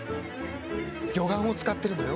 魚眼を使ってるのよ。